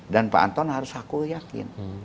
dan pak anton harus aku yakin